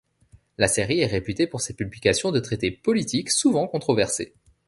La série est réputée pour ses publications de traités politiques souvent controversés.